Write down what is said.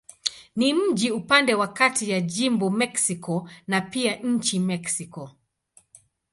Ni mji upande wa kati ya jimbo Mexico na pia nchi Mexiko.